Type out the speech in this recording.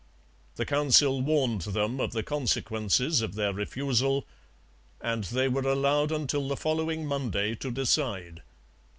The Council warned them of the consequences of their refusal; and they were allowed until the following Monday to decide.